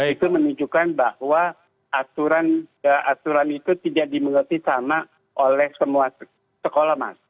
itu menunjukkan bahwa aturan itu tidak dimengerti sama oleh semua sekolah mas